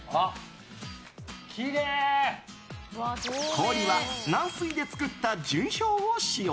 氷は軟水で作った純氷を使用。